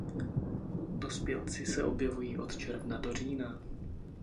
Dospělci se objevují od června do října.